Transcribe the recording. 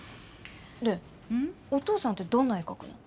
でお父さんってどんな絵描くの？